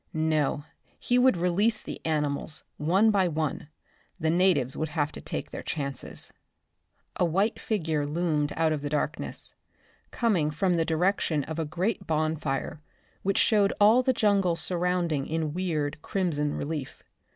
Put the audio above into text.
No, he would release the animals, one by one. The natives would have to take their chances. A white figure loomed out of the darkness, coming from the direction of a great bonfire which showed all the jungle surrounding in weird, crimson relief.